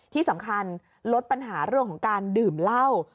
ที่สำคัญลดปัญหาเรื่องของการดื่มเหล้า